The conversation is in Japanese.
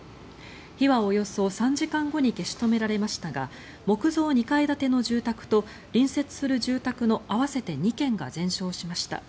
火はおよそ３時間後に消し止められましたが木造２階建ての住宅と隣接する住宅の合わせて２軒が全焼しました。